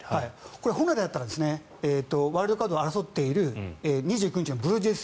これ、本来であったらワイルドカードを争っている２９日のブルージェイズ